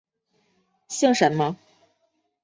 姓什么？